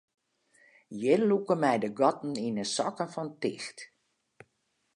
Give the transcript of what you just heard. Hjir lûke my de gatten yn de sokken fan ticht.